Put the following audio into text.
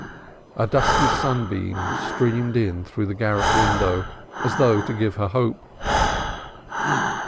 A dusty sunbeam streamed in through the garret window as though to give her hope.